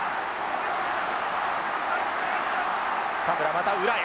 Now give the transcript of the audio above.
田村また裏へ。